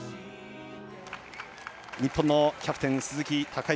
日本のキャプテン鈴木孝幸